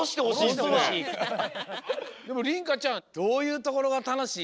でもりんかちゃんどういうところがたのしい？